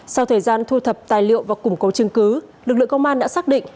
sau thời gian thu thập tài liệu và củng cố chứng cứ lực lượng công an đã xác định